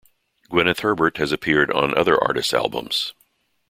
Gwyneth Herbert has appeared on other artists' albums.